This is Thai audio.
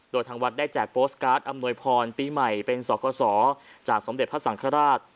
โดยทางวัดได้แจกโพสต์การ์ดอำนวยพรปีใหม่เป็นสกสจากสมเด็จพระสังฆราช